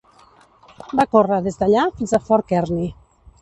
Va córrer des d'allà fins a Fort Kearny.